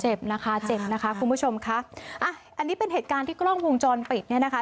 เจ็บนะคะเจ็บนะคะคุณผู้ชมค่ะอ่ะอันนี้เป็นเหตุการณ์ที่กล้องวงจรปิดเนี่ยนะคะ